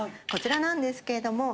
こちらなんですけれど。